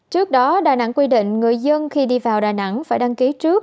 trước đó đà nẵng quy định người dân khi đi vào đà nẵng phải đăng ký trước